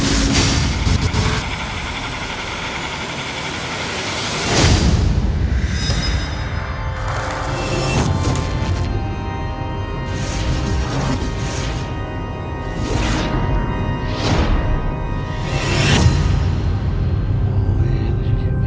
อ้าว